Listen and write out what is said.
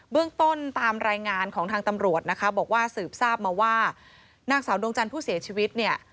เรื่องต้นตามรายงานของทางตำรวจนะคะบอกว่าสืบทราบมาว่านางสาวดวงจันทร์ผู้เสียชีวิตเนี่ย